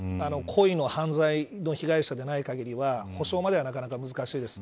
故意の犯罪の被害者でない限りは補償まではなかなか難しいです。